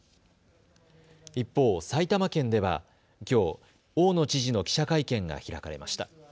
一方、埼玉県ではきょう大野知事の記者会見が開かれました。